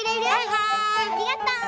ありがとう。